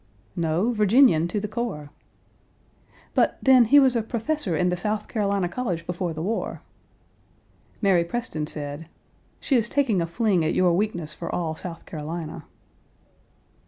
"No; Virginian to the core." "But, then, he was a professor in the South Carolina College before the war." Mary Preston said: "She is taking a fling at your weakness for all South Carolina."